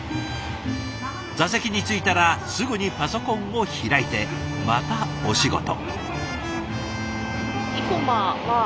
座席に着いたらすぐにパソコンを開いてまたお仕事。